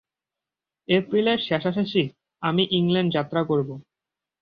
এপ্রিলের শেষাশেষি আমি ইংলণ্ড যাত্রা করব।